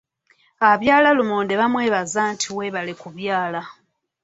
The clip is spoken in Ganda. Abyala lumonde bamwebaza nti webale kubyala.